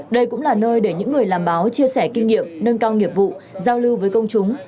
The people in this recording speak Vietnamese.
đây cũng là nơi để những người làm báo chia sẻ kinh nghiệm nâng cao nghiệp vụ giao lưu với công chúng